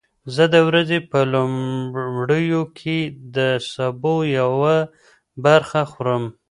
زه د ورځې په لومړیو کې د سبو یوه برخه خورم.